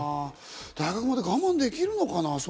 大学まで我慢できるのかな？